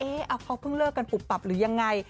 เขาเพิ่งเลิกกันปุบปับหรือยังไง